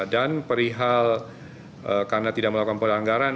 dan perihal karena tidak melakukan pelanggaran